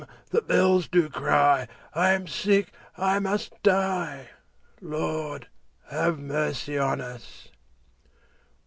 the bells do cry; I am sick, I must die— Lord, have mercy on us!